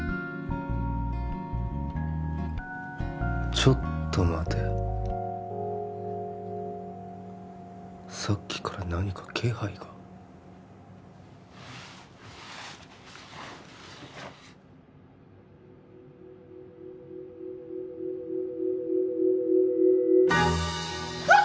ちょっと待てさっきから何か気配がわっ！